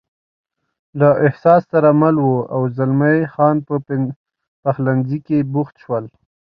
له احساس سره مل و، او زلمی خان په پخلنځي کې بوخت شول.